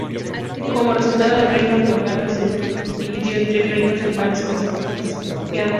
Como resultado, el reino georgiano se dividió en tres reinos rivales con cinco principados.